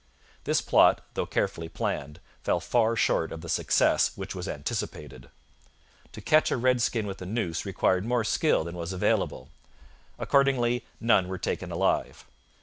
This plot, though carefully planned, fell far short of the success which was anticipated. To catch a redskin with a noose required more skill than was available. Accordingly, none were taken alive.